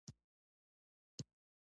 پښتو باید د نړۍ په ژبو کې وځلېږي.